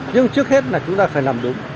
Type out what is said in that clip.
nhưng trước hết là chúng ta phải làm đúng